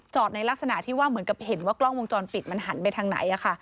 ในลักษณะที่ว่าเหมือนกับเห็นว่ากล้องวงจรปิดมันหันไปทางไหน